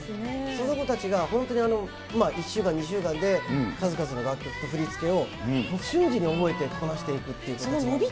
その子たちが、本当に１週間、２週間で、数々の楽曲と振り付けを、瞬時に覚えてこなしていくっていう感じでね。